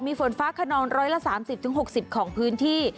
มีฝนฟ้าขนอง๑๓๐๖๐ของพื้นที่